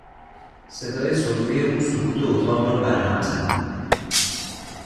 صدای سرفهی او سکوت اتاق را بر هم زد.